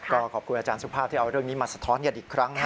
ก็ขอบคุณอาจารย์สุภาพที่เอาเรื่องนี้มาสะท้อนกันอีกครั้งนะ